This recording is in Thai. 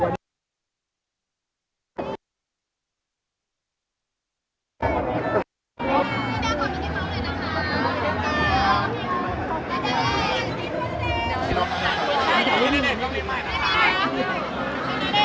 สวัสดีครับ